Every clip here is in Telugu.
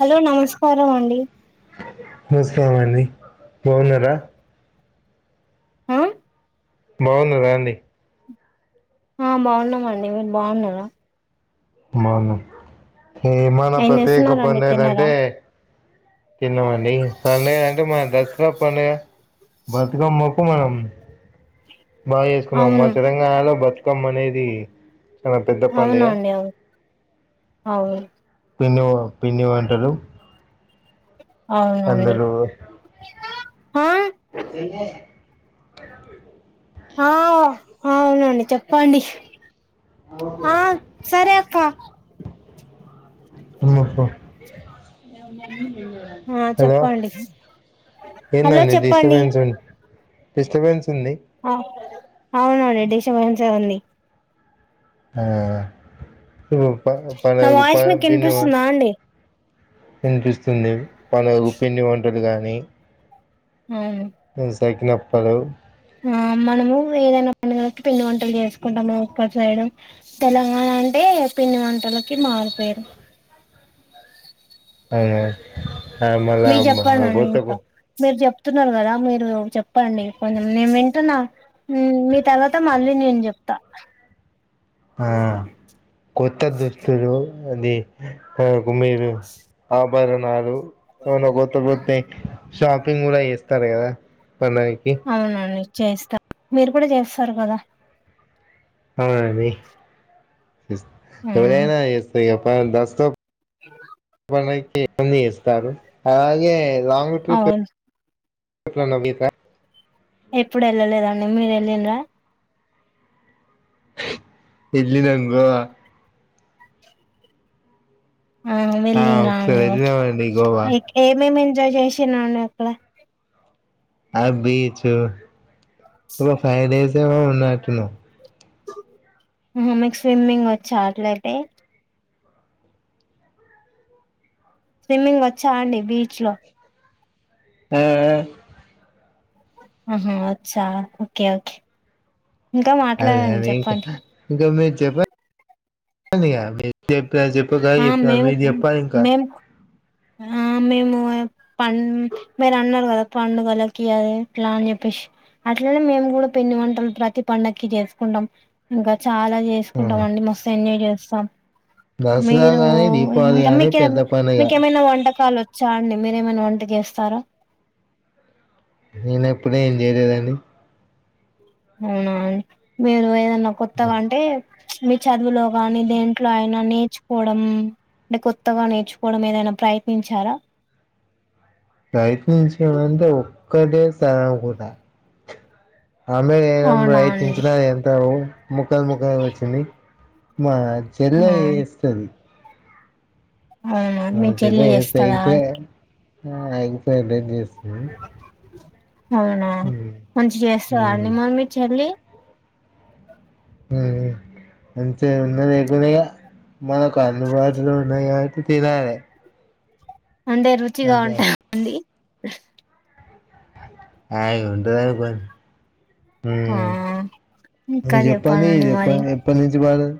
హలో నమస్కారం అండి నమస్తే అండి బాగున్నార ఆ బాగున్నార అండి ఆ బాగున్నామండి మీరు బాగున్నారా బాగున్నాం ఏం చేస్తున్నారండి తిన్నారా కింద మండి పండగ అంటే మ దసరా పండగా బతుకమ్మకు మనం బాగా చేసుకున్నాం. మా అవును తెలంగాణలో బతుకమ్ క్కం అనేది చన పెద్ద పండుగ అవునండి అవును అవును పిన్ని పిండి వంటలు అవునండి అందులో ఆ ఎ ఆ అవునండి చెప్పండి ఆ సరే అక్క ఆ హలో చెప్పండి హలో ఏందండి చెప్పండి డిస్టబెన్స్ డిస్టబెన్స్ ఉంది. ఆ అవునండి డిస్టర్బన్స్ ఏ ఉంది ఆ ఇ ప ప నా వాయిస్ మీకు వినిపిస్తుందా అండి వినిపిస్తుంది మన పిండి వంటలు గాని అవు తగినప్పలు ఆ మనము ఏదైనా పండగలకి పిళ్లి వంటలు చేసుకుంటాము. ఒక్క సైడ్ తెలంగాణ అంటే పిండి వంటలకి మారుపేరు అయ్యో మీ చెప్పాలండి ఇంకా మీరు చెప్ చెప్తున్నారు కదా మీరు చెప్పండి. కొంచం నేను వింటున్నా మీ తర్వాత మళ్ళీ డి చెప్తా ఆ కొత్త దుస్తులు అది అ గుమి ఆ బరునాలు అవున కొత్త కొతే షాపింగ్ కూడా చేస్తారు కదా. పనాయికి అవునండి చేస్తా మీరు కూడా చేస్తారు కదా అవునండి ఎళనా ఎస్త దస్తు ఇ ఇన్న ఇస్తారు అలాగే లాంగ్ ట్రిప్ అవును అట్లనా మీకా ఎప్పుడు వెళ్ళలేదండి మీరు వెళ్ళిన్రా ఎల్లిన గో ఆ వెళ్ళిన్రా ఒకసారి అండి ఓకే వెళ్ళినామండి గోవా ఏమేమి ఎంజాయ్ చేసిన అక్కడ ఆ బీచ్ ఫైవ్ డేస్ ఏ ఉన్నాటి ను ఉహు మీకు స్విమ్మింగ్ వచ్చా అట్లయితే స్విమ్మింగ్ వచ్చా అండి బీచ్ లో ఆ ఆహా అచ్చా ఓకే ఓకే ఇంకా అదే మాట్లాడండి అని ఇంకా చెప్పండి ఇంకా మీరు చెప్ప చెప్పండి మీ చెప్పిన చెప్ప కా ఆ చెప్పిన మేము మీరు చెప్పాలి ఇంకా మేము ఆ మేము పం మీరు అన్నారు కదా పండుగలకి అది ఇట్లా అని చెప్పి అట్లనే మేము కూడా పిండి వంటలు ప్రతి పండక్కి చేసుకుంటాం ఇంకా చాలా చేసుకుంటాం అండి. మస్తు ఎంజాయ్ చేస్తాం. దసరా మీరు గానీ దీపావళి ఇంకా కాని మీకే పెద్ద పండుగ మీకేమైనా వంటకాలు వచ్చా అండి. మీరేమైనా వంట చేస్తారా. నేన్ ఎప్పుడూ ఏం చేయలేదండి. అవునా, మీరు ఏదన్నా కొత్తగా అంటే మీ చదువులో, కానీ దేంట్లో అయిన నే నేర్చుకోవడం అంటే, కొత్తగా నేర్చుకోవడం ఏదైనా ప్రయత్నించారా? తాగుతా ఆమ్లెట్ వేయడం అవునా అండి ప్రయత్నించిన ఎంత ముక్కలు ముక్కలు వచ్చింది. మా చల్లే ఆ ఏస్తంది. అవునా ఆ మీ చెల్ల చెల్లి చే. చేస్తదా అయితే, ఆ ఎగ్ ఫ్రైడ్ రైస్ చేస్తది. అవునా! మంచి చేస్తదా అండి మరీ మీ చెల్లి? మ్ మంచిగ ఉన్నది ఎగ్గుదిగ. మనకు అందుబాటులో ఉన్నాయి గాబట్టి తినాలే. అంటే రుచిగా అంతే ఉంటా అండి ఆ ఉంటదనుకోరి ఆ మ్ ఇంకా జెప్పండి. చెప్పాలండి మరి ఇదేప్పటి ఎప్పటి నుంచి బాలేదు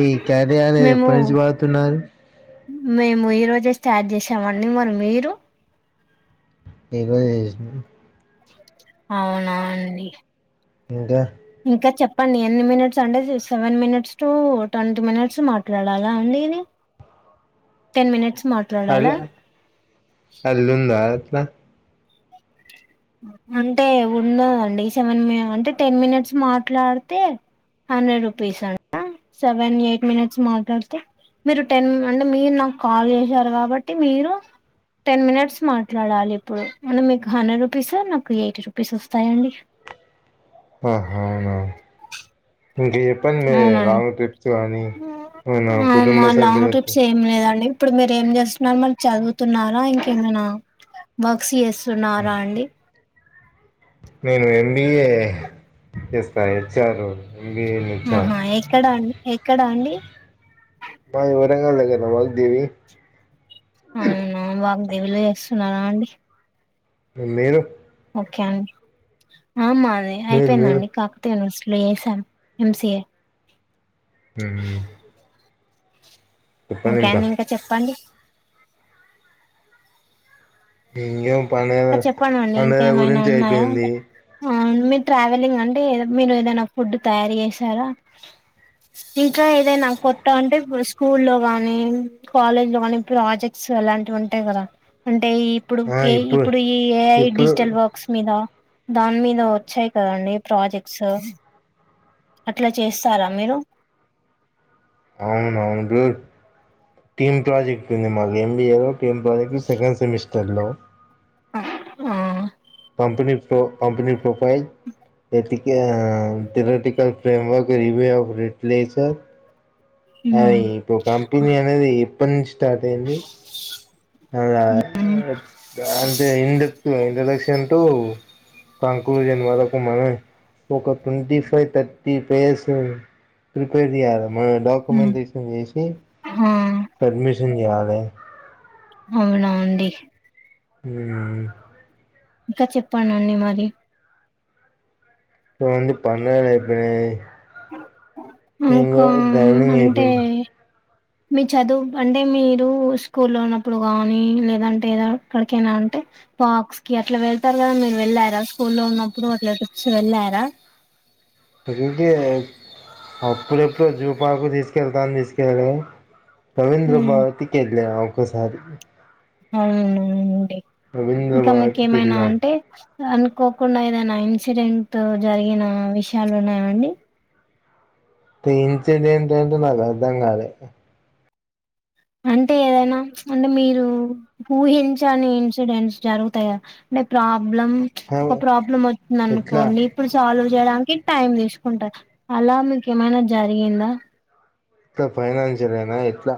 ఈ కార్డియాలజి మేము ఎప్పటి నుంచి వాడుతున్నారు? మేము ఈ రోజే స్టార్ట్ చేసామండి. మరి మీరు? ఈ రోజే జేసిన. అవునా అండి ఇంకా ఇంకా చెప్పండి ఎన్ని మినిట్స్ అంటే seven minutes to twenty minutes మాట్లాడాలా అండి ఇది? [inaudible] టెన్ మినిట్స్ అల్లా మాట్లాడాలా అలుందా అట్లా అంటే ఉన్నది అండి సెవెన్ మి అంటే టెన్ మినిట్స్ మాట్లాడితే, హండ్రెడ్ రూపీస్ అంట సెవెన్, ఎయిట్ మనిట్స్ మాట్లాడితే. మీరు టెన్ అంటే, మీరు నాకు కాల్ చేసారు కాబట్టి మీరు టెన్ మినిట్స్ మాట్లాడాలి ఇప్పుడు మళ్ళ మీకు హండ్రెడ్ రూ పీసు నాకు ఎయిటీ రూపీస్ వస్తాయండి. ఆహా అవునా? ఇంకా చెప్పండి అవునండి లాంగ్ ట్రిప్స్ కాని మన మా కుటుంబ లాంగ్ సభ్యులతో ట్రిప్స్ ఏం లేదండి ఇప్పుడు మీరు ఏం జేస్తున్నారు మళ్ళీ చదువుతున్నారా ఇంకేమైనా వర్క్స్ చేస్ తున్నారా అండి? నేను ఎం బీ ఎ చేస్తా హెచ్ఆర్ రోల్ మ్ హు ఎక్కడ అండి? ఎక్కడ అండి? మాది వరంగల్ దగ్గర వాగ్దేవి అవునా వాగ్దేవి లో చేస్తున్నారా అండి? మీరు? ఓకే అండి. ఆ మాది మీరు మీరు అయిపోయిందండి కాకతీయ యూనివర్సి లో చేసాం ఎంసిఏ. మ్ ఇంకా అండి ఇంక చెప్పండి. ఇంకేం పండగ ఇంకా చెప్పండండి పండగల గురించి అయిపోయింది. అవును మీ ట్రావెలింగ్ అంటే ఎద మీరు ఏదైనా ఫుడ్ తయారు చేసారా? ఇంకా ఏదైనా కొత్త అంటే ఇప్పుడు స్కూల్ లో గానీ కాలేజ్ లో గానీ ప్రాజెక్ట్స్ అలాంటివి ఉంటాయి గదా. అంటే ఇప్పుడు ఏ ఇప్పుడు ఈ ఏఐ ఇప్పుడు డిజిటల్ వర్క్స్ మీద దాని మీద వచ్చాయి కదాండి ప్రాజెక్ట్స్ అట్లా చేస్తారా మీరు? అవునవును గుడ్. టీమ్ ప్రాజెక్ట్ ఉంది మాకు ఎంబీఏలో టీం ప్రాజెక్టు సెకండ్ సెమిస్టర్లో ఉమ్ company company profile theoretical framework review of replace of అది ఉమ్ ఇప్పుడు కంపెనీ అనేది ఎప్పటి నుంచి స్టార్ట్ అయ్యంది. అలా ఉమ్ అంటే ఇండక్ట్ ఇంట్రడక్షన్ టు థ్యాంక్ జన్మలకు మనమే ఒక twenty five thirty pages prepare చేయాల ఉమ్ డాక్యుమెంటేషన్ చేసి ఆ సబ్మిషన్ చేయాలి. అవునా అండి మ్ హు ఇంకా చెప్పండి మరి ఏముంది పనులన్నీ అయిపోయాయి. ఇంకా అంటే అయిపోయింది మీ చదువు అంటే మీరు స్కూల్లో ఉన్నప్పుడు కానీ, లేదంటే ఏదో ఎక్కడికైనా అంటే పార్క్స్ కి అట్లా వెళ్తారు కదా మీరు వెళ్ళారా స్కూల్లో ఉన్నప్పుడు అట్లావచ్చి వెళ్ళారా. అంటే అప్పుడెప్పుడు జూ పార్క్ కి తీసుకెళ్తానని తీసుకెళ్ళడమే రవీంద్ర ఉమ్ భావతికి వెళ్ళాం ఒకసారి. అవునండి ఇంకా మీకు భారతికి ఏమైనా వెళ్ళాం అంటే అనుకోకుండా ఏదైనా ఇన్సిడెంట్ జరిగిన విషయాలు ఉన్నాయండి అంటే ఇన్సిడెంట్ అంటే నాకు అర్థం కాలే [inaudible] అంటే ఏదైనా అంటే మీరు ఊహించని ఇన్సిడెంట్స్ జరుగుతాయ అంటే ప్రాబ్ ప్రాబ్లం ఒక ప్రాబ్లం వచ్చంది ఎట్లా అనుకోండి. ఇప్పుడు సాల్వ్ చేయడానికి టైం తీసుకుంటా అలా మీకు ఏమైనా జరిగిందా. ఇట్లా ఫైనాన్షియల్ అయినా ఎట్లా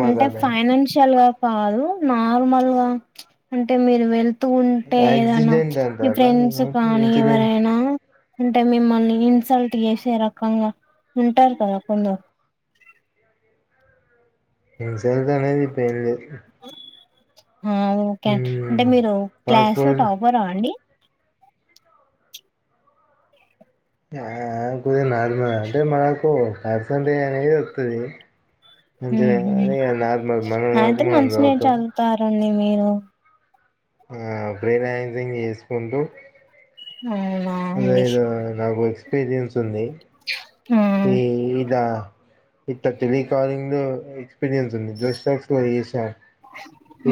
మాకు అంటే అర్థం ఫైనాన్షియల్ గా కాదు నార్మల్గా అంటే మీరు వెళ్ తూ ఉంటే ఏదన్నా యాక్సిడెంట్ మీ అంటారా ఫ్రెండ్స్ ఏమంటారు కానీ ఇన్సిడెంట్ ఎవరైనా అంటే మిమ్మల్ని, ఇన్సల్ట్ చేసే రకంగా ఉంటారు కదా కొందరు. ఇ [inaudible] ఇన్సిడెంట్స్ అనేవి ఏం లేవు ఓకే అండి. అంటే మీరు క్లాస్ లో పాస్పోర్ట్ టాపర్ రా అండి? ఆ ఎప్పుడు నార్మల్ అంటే మనకు పర్సంటేజ్ అనేది వస్తాది. మంచిదే ఉహు అదేగా నార్మల్ మనం వరకు అయితే మనం మంచినే చదువుతాం చదువుతారండి మీరు బ్రెనైసింగ్ చేసుకుంటూ అవునా అదే అండి ఇదో నాకు ఎక్స్పీరియన్స్ ఉంది. [inaudible] ఏ ఇదా ఇట్ టెలి కాలింగ్ ఎక్స్పీరియన్స్ ఉంది జుస్టాక్స్ లో ఏ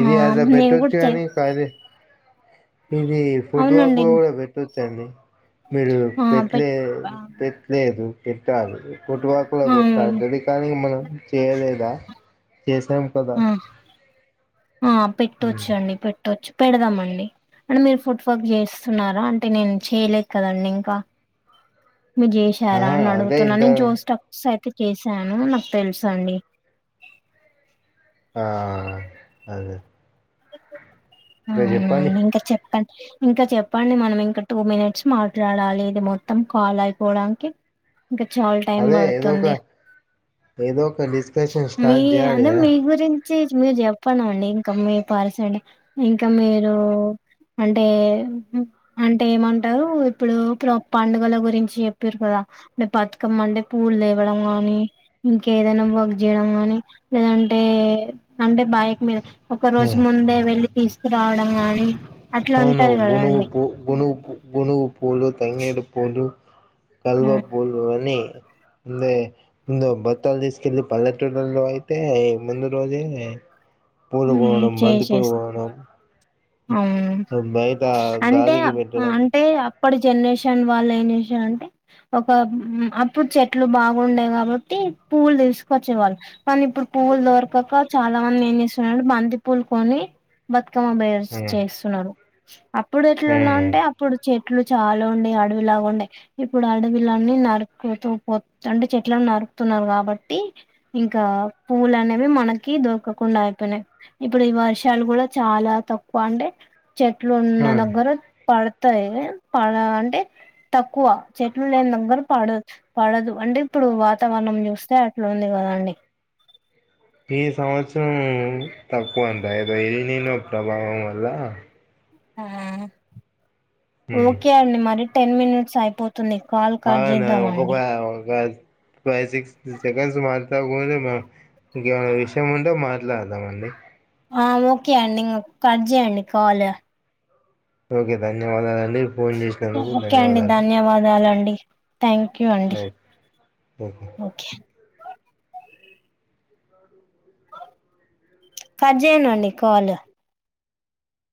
ఆ అలా నేను పెట్టొచ్చు కూడా చే కానీ కాలే ఇది ఫోటో అవునండి కూడా పెట్టొచ్చు అండి. మీరు ఆ పెట్లే పెట్ ఆ పెట్లేదు తావికు ఫుట్‌వర్క్ లో పెట్టా టెలికాలింగ్ మనం చేయలేదా చేసాం కదా ఆ ఆ పెట్టొచ్చు ఉమ్. అండి పెట్టొచ్చు పెడదామండి అంటే మీరు ఫుట్‌వర్క్ జేస్తున్నారా అంటే నేను చేయలేదు కదండి ఇంకా మీ జేసారా ఆహా అని అదే అడుగుతున్న ఇంత నేన్ జోస్ టాక్యే చేశాను నాకు తెలుసు అండి ఆ అదే అదే చెప్పండి అవున ఇంకా చెప్పండి ఇంక చెప్పండి మనం ఇంకా టూ మినిట్స్ మాట్లాడాలి ఇది మొత్తం కాల్ అయిపోవడానికి ఇంకా చాలు టైం అదే ఏదో ఒక పడుతుంది ఏదో ఒక డిస్కషన్ మీ స్టార్ట్ చేయాలి అదే కదా మీ గురించి మీరు చెప్పండి అండి ఇంకా మీ పర్సెంట్ ఇంకా మీరు అంటే అంటే ఏమంటారు ఇప్పుడు ప్రొ పండుగల గురించి చెప్పారు కదా బతుకమ్మ అంటే పూలు లేవ్వడం గానీ ఇంకేదైనా వర్క్ జేయడం గానీ లేదంటే అంటే సన్డే బయక్ మీద ఒక ఆ, రోజు ముందే వెళ్ళి తీసుకురావడం గానీ అట్లా అవును ఉంటాయ్ గునుగు కదండి పూ గునుగు పూ గునుగు పూలు తంగేడు పూలు కల్వ పూలు అనీ అందే ముందు బత్తాలు తీస్కెలి పల్లెటూళ్లలో అయితే ముందు రోజే ఉమ్, పూలగోణం బంతిపువ్వు చేసేస్ గోణం అవును బయట గాలికి పెట్టడం ఇప్పటి జనరేషన్ వాళ్ళు ఏం జేసారంటే ఒక అప్పుడు చెట్లు బాగుండేయి కాబట్టి పువ్వులు తీసుకొచ్చేవాళ్ళు కానీ ఇప్పుడు పువ్వులు దొరకక చాలా మంది ఏం చేస్తున్నరంటే బంతి పూలు కొని బ కమ బేర్స్ హ్మ్ చేస్తున్నారు అప్పుడు ఎట్ల ఉన్నా హ్మ్ అంటే అప్పుడు చె చెట్లు చాలా ఉండే అడవిలాగా ఉండే ఇప్పుడు అడవిలన్నీ నరుకుతూ పోత్ అంటే చెట్ల నరుక్ తున్నారు కాబట్టి ఇంకా పూలు అనేవి మనకి దొరకకుండా పినే ఇప్పుడు ఈ వర్షాలు కూడా చాలా తక్కువ అంటే చెట్లు హ ఉన్న దగ్గర పడ తాయే పడ అంటే తక్కువ చెట్లు లేని దగ్గర పడ పడదు అంటే ఇప్పుడు ఇప్పుడు వాతావరణం చూస్తే అట్లు ఉంది కదండి [inaudible] ఈ సంవత్సరం తక్కువ అండి అయిన ఈనిన ప్రభావం వల్ల ఆ హ్మ్ ఓకే అండి మరి టెన్ మినిట్స్ అయిపో తుంది కాల్ కట్ అవును ఒక చేద్దామండి ఫై ఒక ఫైవ్ సిక్స్ సెకండ్స్ మాట్లాడ్కోలేమ ఇంకేమైనా విషయం ఉంటే మాట్లాడదామండి ఆ ఓకే అండి కట్ జేయండి కాలు ఓకే ధన్యవాదాలండి ఫోన్ చేసినందుకు ధన్యవాదాలు థ్యాంక్యూ అండి ఓకే. ఓకే కట్ జేయడండి కాలు